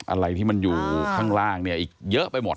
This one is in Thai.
อะไรที่มันอยู่ข้างล่างเนี่ยอีกเยอะไปหมด